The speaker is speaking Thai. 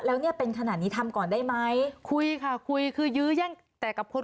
แล้วเนี่ยเป็นขนาดนี้ทำก่อนได้ไหมคุยค่ะคุยคือยื้อแย่งแต่กับคน